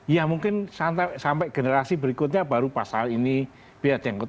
ya mungkin sampai generasi berikutnya baru pasal ini biar jengkot